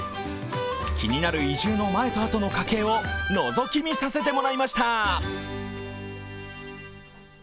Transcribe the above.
気になる移住の前とあとの家計をのぞき見させてもらいました。